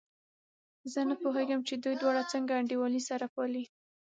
زه نه پوهېږم چې دوی دواړه څنګه انډيوالي سره پالي.